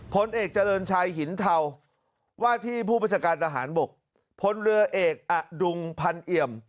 พลเอกเจริญชัยหินเทาว่าที่ผู้บัญชาการทหารบกพลเรือเอกอดุงพันเอี่ยม